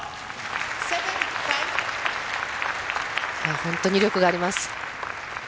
本当に威力があります。